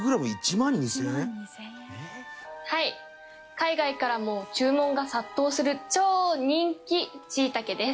海外からも注文が殺到する超人気シイタケです。